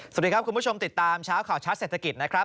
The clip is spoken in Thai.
สวัสดีครับคุณผู้ชมติดตามเช้าข่าวชัดเศรษฐกิจนะครับ